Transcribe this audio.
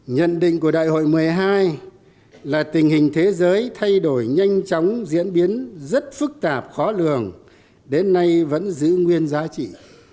nhận định của đại hội một mươi hai là tình hình thế giới thay đổi nhanh chóng diễn biến rất phức tạp khó lường đến nay vẫn giữ nguyên giá trị